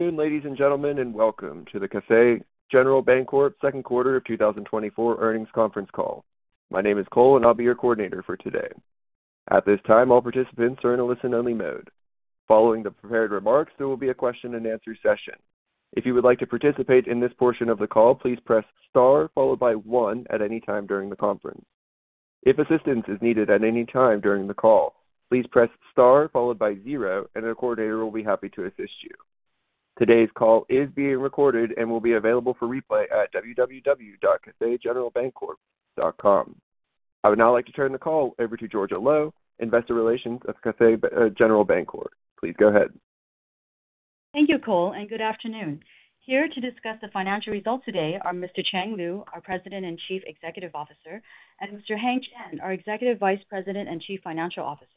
Good afternoon, ladies and gentlemen, and welcome to the Cathay General Bancorp second quarter of 2024 earnings conference call. My name is Cole, and I'll be your coordinator for today. At this time, all participants are in a listen-only mode. Following the prepared remarks, there will be a question-and-answer session. If you would like to participate in this portion of the call, please press star followed by one at any time during the conference. If assistance is needed at any time during the call, please press star followed by zero, and a coordinator will be happy to assist you. Today's call is being recorded and will be available for replay at www.cathaygeneralbancorp.com. I would now like to turn the call over to Georgia Lo, Investor Relations of Cathay General Bancorp. Please go ahead. Thank you, Cole, and good afternoon. Here to discuss the financial results today are Mr. Chang Liu, our President and Chief Executive Officer, and Mr. Heng Chen, our Executive Vice President and Chief Financial Officer.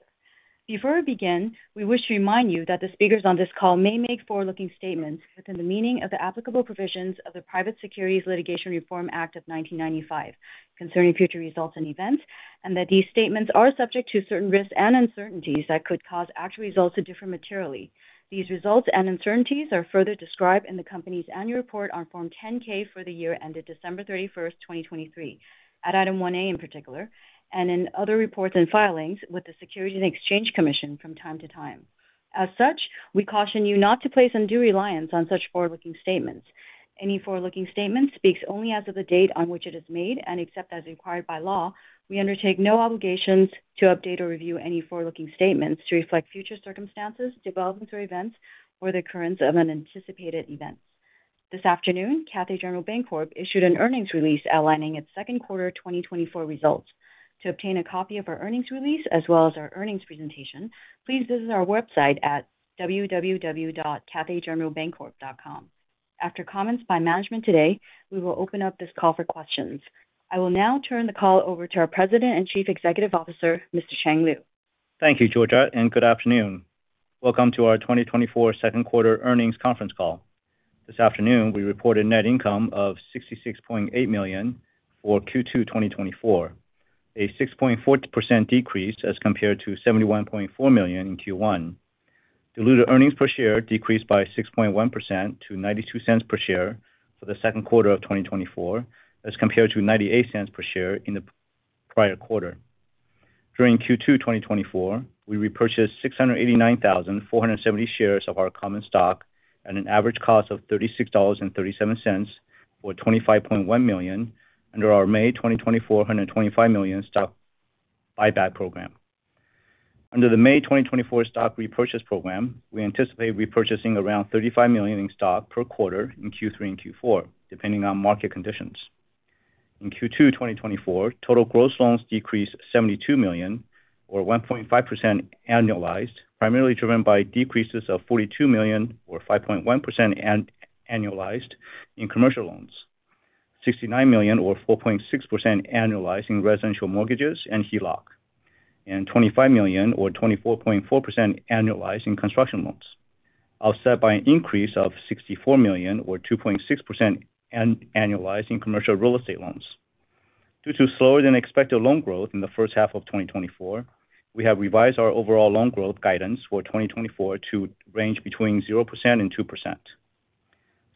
Before we begin, we wish to remind you that the speakers on this call may make forward-looking statements within the meaning of the applicable provisions of the Private Securities Litigation Reform Act of 1995, concerning future results and events, and that these statements are subject to certain risks and uncertainties that could cause actual results to differ materially. These risks and uncertainties are further described in the company's annual report on Form 10-K for the year ended December 31st, 2023, at Item 1A in particular, and in other reports and filings with the Securities and Exchange Commission from time to time. As such, we caution you not to place undue reliance on such forward-looking statements. Any forward-looking statement speaks only as of the date on which it is made, and except as required by law, we undertake no obligations to update or review any forward-looking statements to reflect future circumstances, developments or events, or the occurrence of unanticipated events. This afternoon, Cathay General Bancorp issued an earnings release outlining its second quarter 2024 results. To obtain a copy of our earnings release, as well as our earnings presentation, please visit our website at www.cathaygeneralbancorp.com. After comments by management today, we will open up this call for questions. I will now turn the call over to our President and Chief Executive Officer, Mr. Chang Liu. Thank you, Georgia, and good afternoon. Welcome to our 2024 second quarter earnings conference call. This afternoon, we reported net income of $66.8 million for Q2 2024, a 6.4% decrease as compared to $71.4 million in Q1. Diluted earnings per share decreased by 6.1% to $0.92 per share for the second quarter of 2024, as compared to $0.98 per share in the prior quarter. During Q2 2024, we repurchased 689,470 shares of our common stock at an average cost of $36.37, or $25.1 million, under our May 2024 $125 million stock buyback program. Under the May 2024 stock repurchase program, we anticipate repurchasing around $35 million in stock per quarter in Q3 and Q4, depending on market conditions. In Q2 2024, total gross loans decreased $72 million, or 1.5% annualized, primarily driven by decreases of $42 million, or 5.1% annualized in commercial loans. $69 million or 4.6% annualized in residential mortgages and HELOC, and $25 million or 24.4% annualized in construction loans, offset by an increase of $64 million or 2.6% annualized in commercial real estate loans. Due to slower-than-expected loan growth in the first half of 2024, we have revised our overall loan growth guidance for 2024 to range between 0% and 2%.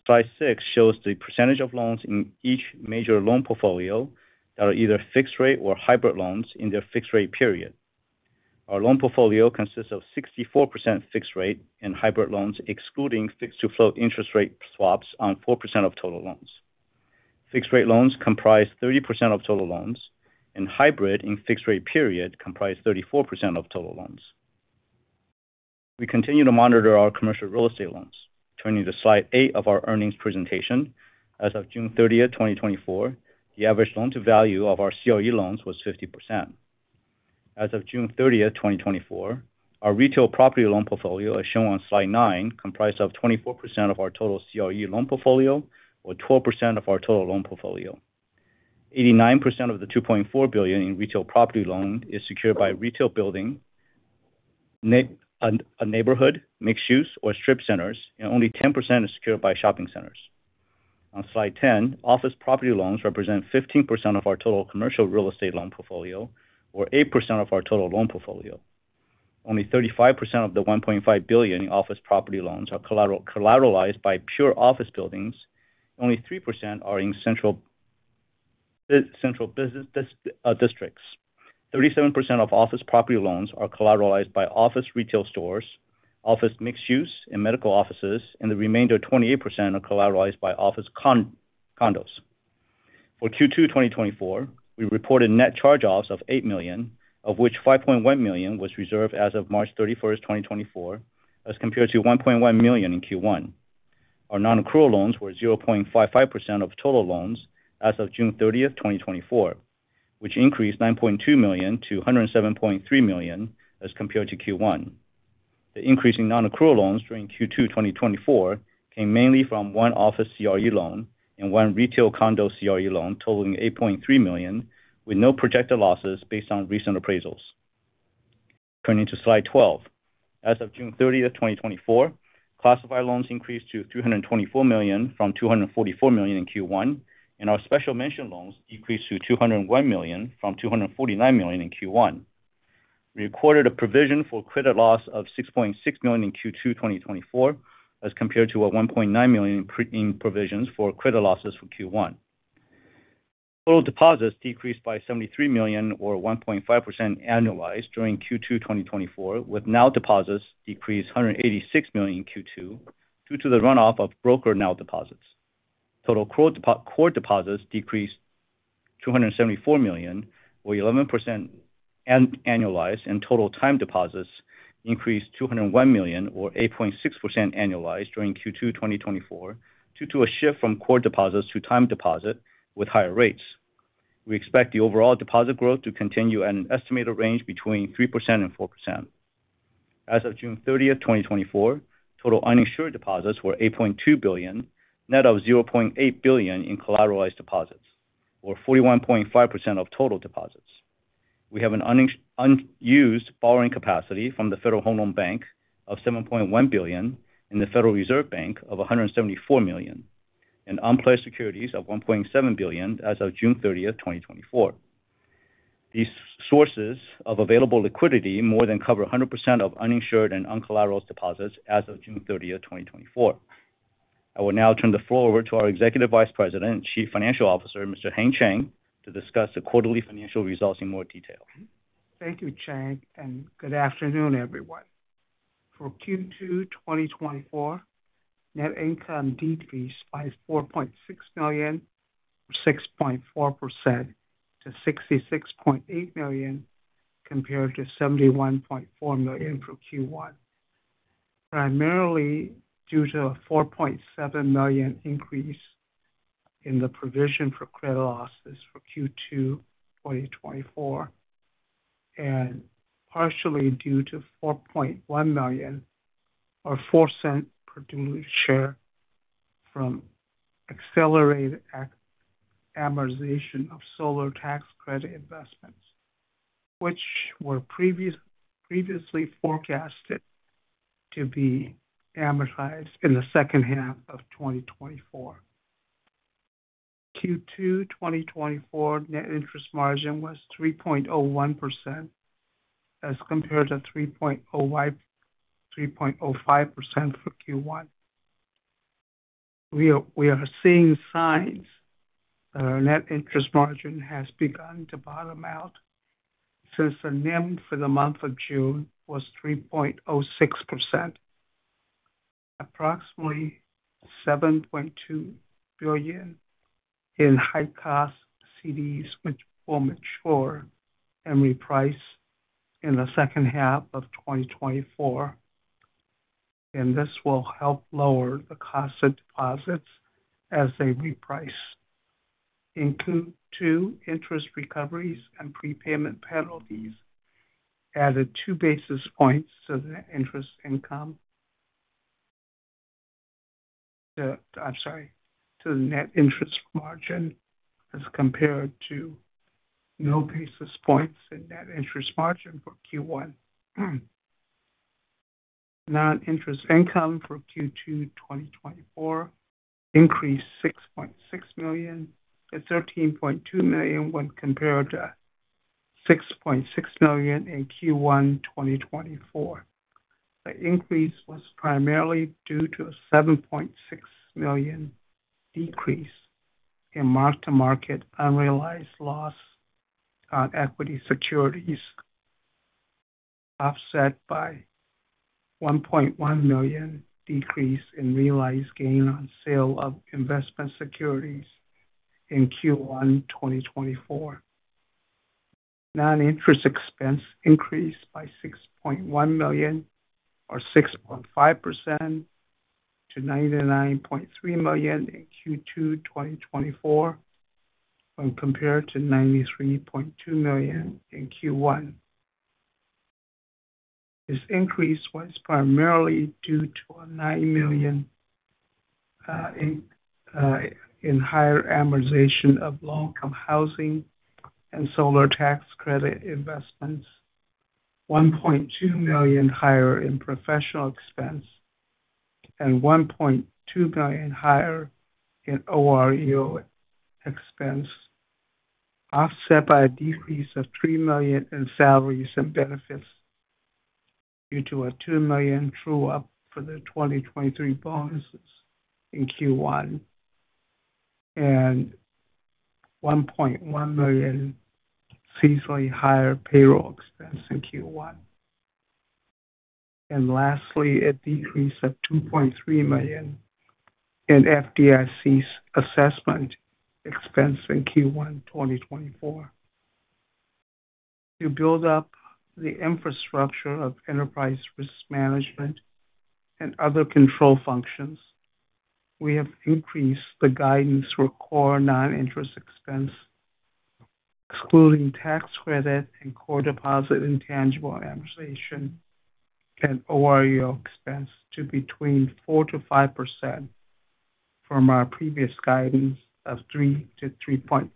Slide six shows the percentage of loans in each major loan portfolio that are either fixed rate or hybrid loans in their fixed rate period. Our loan portfolio consists of 64% fixed rate and hybrid loans, excluding fixed-to-floating interest rate swaps on 4% of total loans. Fixed rate loans comprise 30% of total loans, and hybrid in fixed rate period comprise 34% of total loans. We continue to monitor our commercial real estate loans. Turning to slide eight of our earnings presentation, as of June 30th, 2024, the average loan-to-value of our CRE loans was 50%. As of June 30, 2024, our retail property loan portfolio, as shown on slide nine, comprised of 24% of our total CRE loan portfolio, or 12% of our total loan portfolio. 89% of the $2.4 billion in retail property loan is secured by retail building, a neighborhood, mixed-use or strip centers, and only 10% is secured by shopping centers. On slide 10, office property loans represent 15% of our total commercial real estate loan portfolio, or 8% of our total loan portfolio. Only 35% of the $1.5 billion in office property loans are collateralized by pure office buildings. Only 3% are in central business districts. 37% of office property loans are collateralized by office retail stores, office mixed-use and medical offices, and the remainder, 28%, are collateralized by office condos. For Q2 2024, we reported net charge-offs of $8 million, of which $5.1 million was reserved as of March 31, 2024, as compared to $1.1 million in Q1. Our nonaccrual loans were 0.55% of total loans as of June 30, 2024, which increased $9.2 million to $107.3 million as compared to Q1. The increase in nonaccrual loans during Q2 2024 came mainly from one office CRE loan and one retail condo CRE loan, totaling $8.3 million, with no projected losses based on recent appraisals. Turning to slide 12. As of June 30th, 2024, classified loans increased to $324 million from $244 million in Q1, and our special mention loans decreased to $201 million from $249 million in Q1. We recorded a provision for credit loss of $6.6 million in Q2 2024, as compared to $1.9 million in provisions for credit losses for Q1. Total deposits decreased by $73 million, or 1.5% annualized, during Q2 2024, with NOW deposits decreased $186 million in Q2 due to the runoff of brokered NOW deposits. Total core deposits decreased $274 million, or 11% annualized, and total time deposits increased $201 million, or 8.6% annualized, during Q2 2024, due to a shift from core deposits to time deposit with higher rates. We expect the overall deposit growth to continue at an estimated range between 3% and 4%. As of June 30th, 2024, total uninsured deposits were $8.2 billion, net of $0.8 billion in collateralized deposits, or 41.5% of total deposits. We have an unused borrowing capacity from the Federal Home Loan Bank of $7.1 billion and the Federal Reserve Bank of $174 million, and unpledged securities of $1.7 billion as of June 30, 2024. These sources of available liquidity more than cover 100% of uninsured and uncollateralized deposits as of June 30th, 2024. I will now turn the floor over to our Executive Vice President and Chief Financial Officer, Mr. Heng Chen, to discuss the quarterly financial results in more detail. Thank you, Chang, and good afternoon, everyone. For Q2, 2024, net income decreased by $4.6 million, or 6.4%, to $66.8 million, compared to $71.4 million for Q1, primarily due to a $4.7 million increase in the provision for credit losses for Q2, 2024, and partially due to $4.1 million, or $0.04 per diluted share, from accelerated amortization of solar tax credit investments, which were previously forecasted to be amortized in the second half of 2024. Q2, 2024 net interest margin was 3.01%, as compared to 3.05% for Q1. We are seeing signs that our net interest margin has begun to bottom out since the NIM for the month of June was 3.06%. Approximately $7.2 billion in high-cost CDs, which will mature and reprice in the second half of 2024, and this will help lower the cost of deposits as they reprice. In Q2, interest recoveries and prepayment penalties added two basis points to the interest income. I'm sorry, to the net interest margin, as compared to no basis points in net interest margin for Q1. Non-interest income for Q2 2024 increased $6.6 million to $13.2 million when compared to $6.6 million in Q1 2024. The increase was primarily due to a $7.6 million decrease in mark-to-market unrealized loss on equity securities, offset by $1.1 million decrease in realized gain on sale of investment securities in Q1 2024. Non-interest expense increased by $6.1 million, or 6.5%, to $99.3 million in Q2 2024, when compared to $93.2 million in Q1. This increase was primarily due to a $9 million in higher amortization of low-income housing and solar tax credit investments, $1.2 million higher in professional expense, and $1.2 million higher in OREO expense, offset by a decrease of $3 million in salaries and benefits due to a $2 million true-up for the 2023 bonuses in Q1, and $1.1 million seasonally higher payroll expense in Q1. And lastly, a decrease of $2.3 million in FDIC's assessment expense in Q1 2024. To build up the infrastructure of enterprise risk management and other control functions, we have increased the guidance for core non-interest expense, excluding tax credit and core deposit intangible amortization and OREO expense, to between 4%-5% from our previous guidance of 3%-3.5%.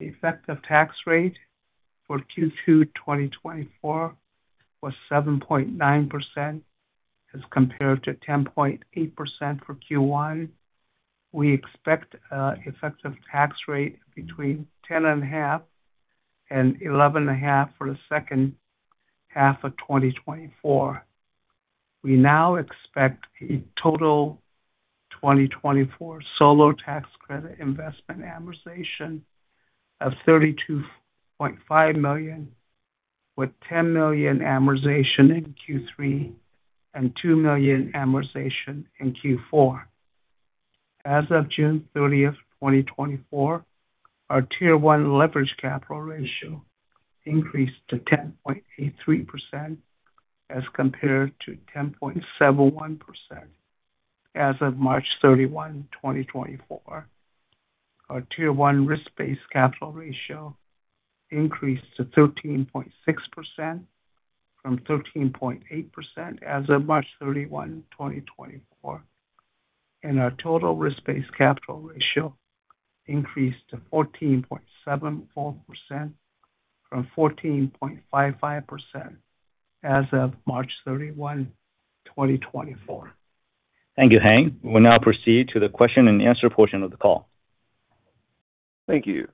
The effective tax rate for Q2 2024 was 7.9% as compared to 10.8% for Q1. We expect effective tax rate between 10.5% and 11.5% for the second half of 2024. We now expect a total 2024 solar tax credit investment amortization of $32.5 million, with $10 million amortization in Q3 and $2 million amortization in Q4. As of June 30, 2024, our Tier 1 leverage capital ratio increased to 10.83% as compared to 10.71%. As of March 31, 2024, our Tier 1 risk-based capital ratio increased to 13.6% from 13.8% as of March 31, 2024, and our total risk-based capital ratio increased to 14.74% from 14.55% as of March 31, 2024. Thank you, Heng. We'll now proceed to the question and answer portion of the call. Thank you.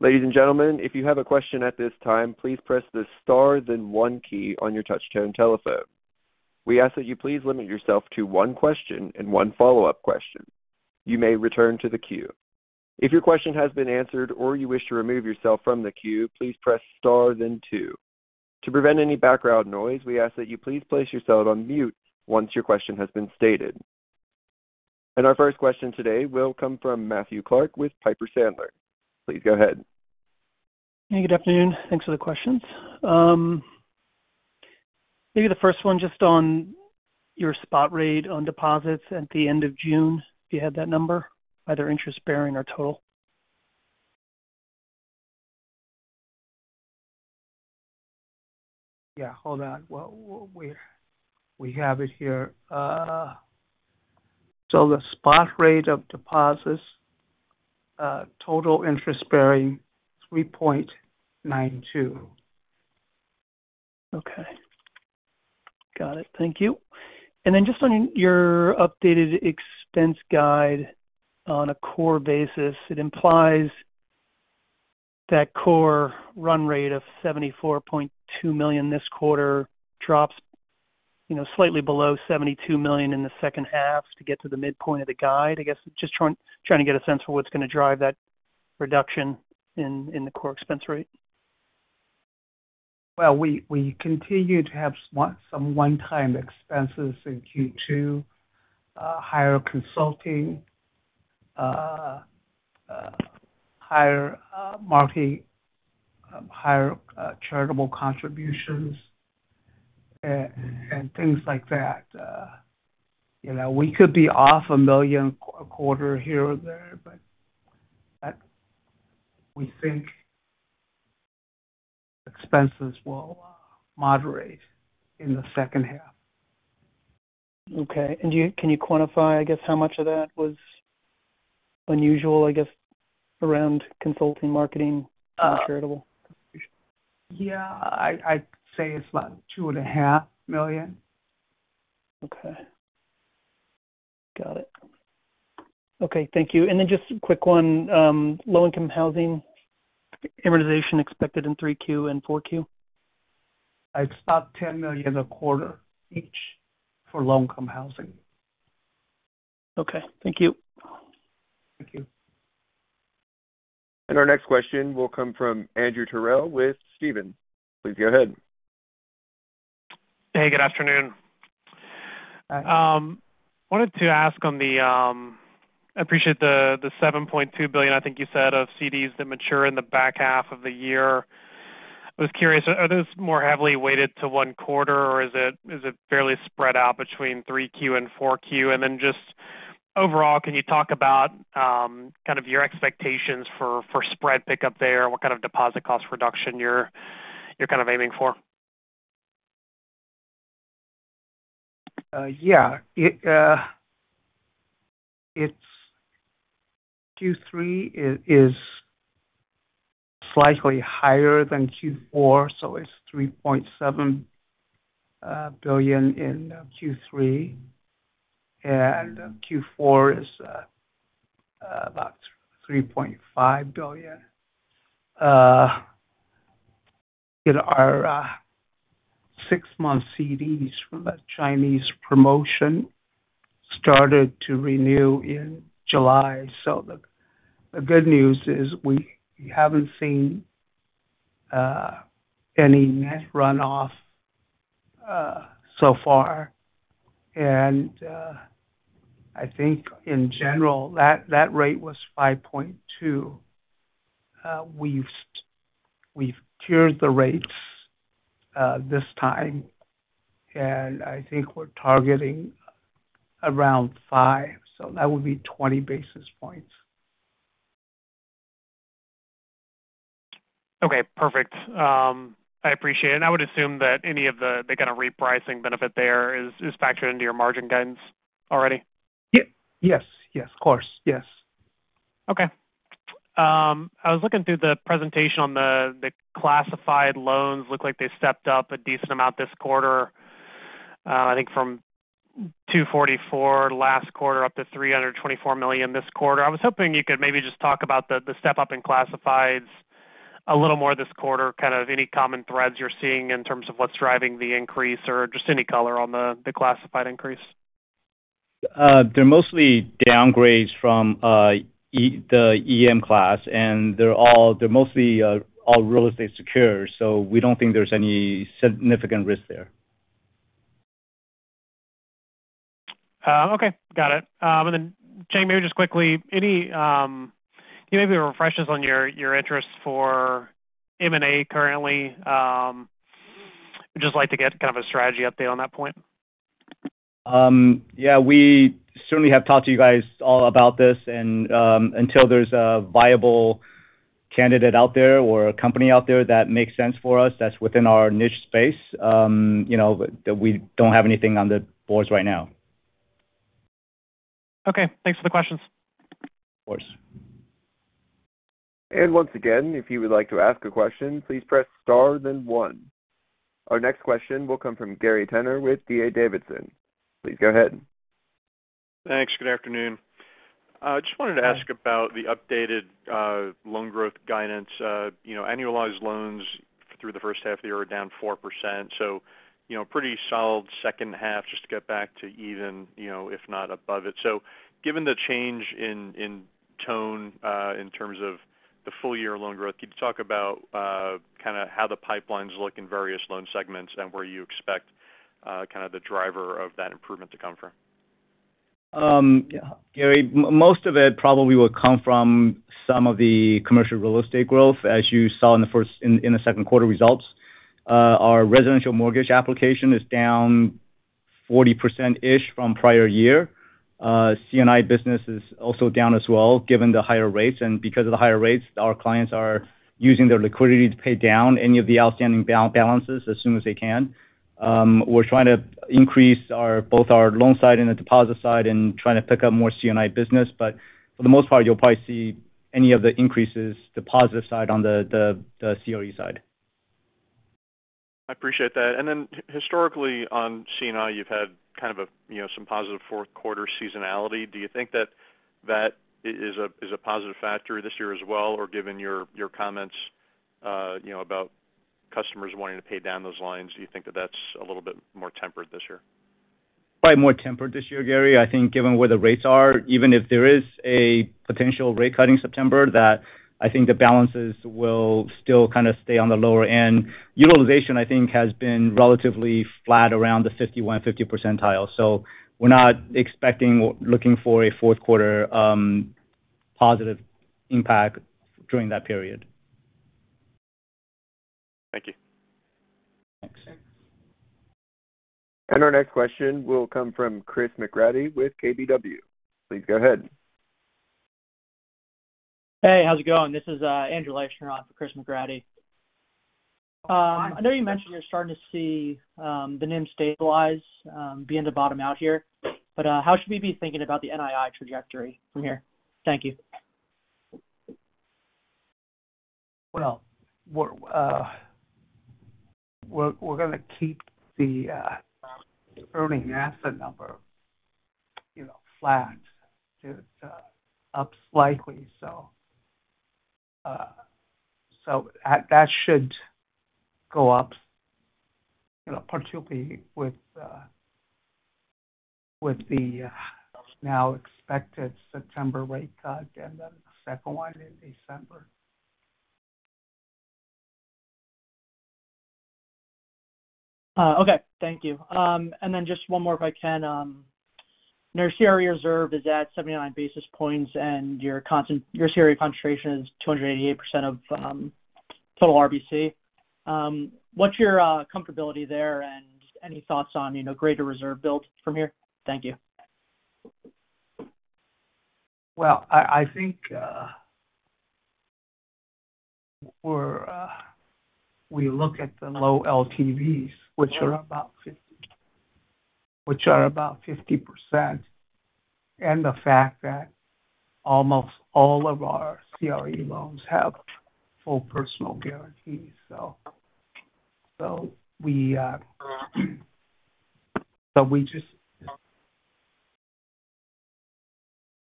Ladies and gentlemen, if you have a question at this time, please press the star then one key on your touchtone telephone. We ask that you please limit yourself to one question and one follow-up question. You may return to the queue. If your question has been answered or you wish to remove yourself from the queue, please press star then two. To prevent any background noise, we ask that you please place yourself on mute once your question has been stated. Our first question today will come from Matthew Clark with Piper Sandler. Please go ahead. Hey, good afternoon. Thanks for the questions. Maybe the first one just on your spot rate on deposits at the end of June, if you had that number, either interest-bearing or total? Yeah, hold on. Well, we have it here. So the spot rate of deposits, total interest bearing, 3.92%. Okay. Got it. Thank you. And then just on your updated expense guide on a core basis, it implies that core run rate of $74.2 million this quarter drops, you know, slightly below $72 million in the second half to get to the midpoint of the guide. I guess just trying to get a sense for what's gonna drive that reduction in the core expense rate. Well, we continue to have some one-time expenses in Q2, higher consulting, higher marketing, higher charitable contributions, and things like that. You know, we could be off $1 million a quarter here or there, but we think expenses will moderate in the second half. Okay. And do you-- can you quantify, I guess, how much of that was unusual, I guess, around consulting, marketing, and charitable? Yeah, I'd say it's about $2.5 million. Okay. Got it. Okay, thank you. And then just a quick one. Low-income housing amortization expected in 3Q and 4Q? I expect $10 million a quarter each for low-income housing. Okay. Thank you. Thank you. Our next question will come from Andrew Terrell with Stephens. Please go ahead. Hey, good afternoon. Hi. Wanted to ask on the, I appreciate the, the $7.2 billion, I think you said, of CDs that mature in the back half of the year. I was curious, are, are those more heavily weighted to one quarter, or is it, is it fairly spread out between 3Q and 4Q? And then just overall, can you talk about, kind of your expectations for, for spread pickup there? What kind of deposit cost reduction you're, you're kind of aiming for? Yeah. It's Q3 is slightly higher than Q4, so it's $3.7 billion in Q3, and Q4 is about $3.5 billion. You know, our six-month CDs from that Chinese promotion started to renew in July. So the good news is we haven't seen any net runoff so far. And I think in general, that rate was 5.2. We've tiered the rates this time, and I think we're targeting around 5, so that would be 20 basis points. Okay, perfect. I appreciate it. I would assume that any of the kind of repricing benefit there is, is factored into your margin guidance already? Yes. Yes, of course. Yes.... Okay. I was looking through the presentation on the classified loans. Looked like they stepped up a decent amount this quarter. I think from $244 million last quarter up to $324 million this quarter. I was hoping you could maybe just talk about the step-up in classifieds a little more this quarter. Kind of any common threads you're seeing in terms of what's driving the increase or just any color on the classified increase? They're mostly downgrades from the EM class, and they're mostly all real estate secured, so we don't think there's any significant risk there. Okay, got it. And then Chang, maybe just quickly, any give maybe refreshes on your interest for M&A currently. Just like to get kind of a strategy update on that point. Yeah, we certainly have talked to you guys all about this, and until there's a viable candidate out there or a company out there that makes sense for us, that's within our niche space, you know, we don't have anything on the boards right now. Okay, thanks for the questions. Of course. Once again, if you would like to ask a question, please press star then one. Our next question will come from Gary Tenner with D.A. Davidson. Please go ahead. Thanks. Good afternoon. Just wanted to ask about the updated, loan growth guidance. You know, annualized loans through the first half of the year are down 4%, so, you know, pretty solid second half just to get back to even, you know, if not above it. So given the change in, in tone, in terms of the full year loan growth, could you talk about, kind of how the pipelines look in various loan segments and where you expect, kind of the driver of that improvement to come from? Gary, most of it probably will come from some of the commercial real estate growth, as you saw in the second quarter results. Our residential mortgage application is down 40%-ish from prior year. C&I business is also down as well, given the higher rates. And because of the higher rates, our clients are using their liquidity to pay down any of the outstanding balances as soon as they can. We're trying to increase both our loan side and the deposit side and trying to pick up more C&I business, but for the most part, you'll probably see any of the increases on the deposit side on the CRE side. I appreciate that. And then historically, on C&I, you've had kind of a, you know, some positive fourth quarter seasonality. Do you think that is a positive factor this year as well? Or given your comments, you know, about customers wanting to pay down those lines, do you think that that's a little bit more tempered this year? Probably more tempered this year, Gary. I think given where the rates are, even if there is a potential rate cut in September, that I think the balances will still kind of stay on the lower end. Utilization, I think, has been relatively flat around the 51, 50 percentile, so we're not expecting or looking for a fourth quarter positive impact during that period. Thank you. Thanks. Our next question will come from Chris McGratty with KBW. Please go ahead. Hey, how's it going? This is Andrew Leischner on for Chris McGratty. I know you mentioned you're starting to see the NIM stabilize, beginning to bottom out here, but how should we be thinking about the NII trajectory from here? Thank you. Well, we're gonna keep the earning asset number, you know, flat to up slightly. So, that should go up, you know, particularly with the now expected September rate cut and then the second one in December. Okay. Thank you. And then just one more, if I can. Your CRE reserve is at 79 basis points, and your CRE concentration is 288% of total RBC. What's your comfortability there, and any thoughts on, you know, greater reserve build from here? Thank you. Well, I think, we're... We look at the low LTVs, which are about 50, which are about 50%, and the fact that almost all of our CRE loans have full personal guarantees. So, we just...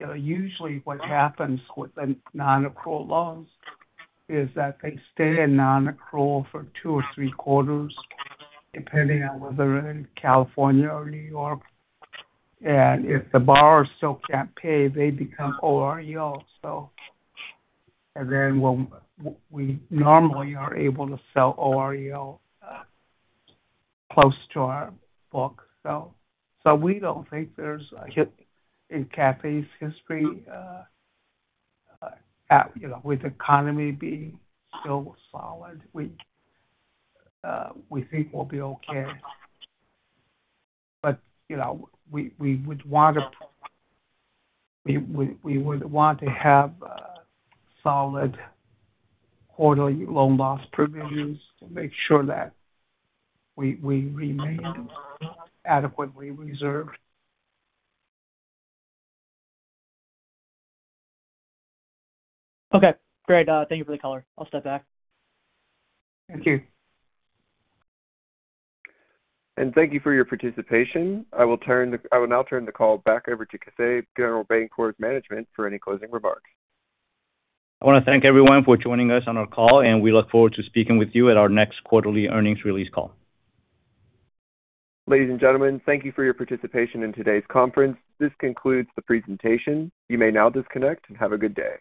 You know, usually what happens with the non-accrual loans is that they stay in non-accrual for two or three quarters, depending on whether they're in California or New York. And if the borrower still can't pay, they become OREO. So and then when we normally are able to sell OREO, close to our book, so, we don't think there's a hit in Cathay's history, you know, with the economy being so solid, we think we'll be okay. But, you know, we would want to have a solid quarterly loan loss provisions to make sure that we remain adequately reserved. Okay, great. Thank you for the color. I'll step back. Thank you. Thank you for your participation. I will now turn the call back over to Cathay General Bancorp's management for any closing remarks. I want to thank everyone for joining us on our call, and we look forward to speaking with you at our next quarterly earnings release call. Ladies and gentlemen, thank you for your participation in today's conference. This concludes the presentation. You may now disconnect, and have a good day.